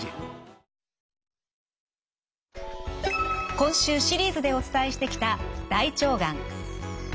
今週シリーズでお伝えしてきた大腸がん。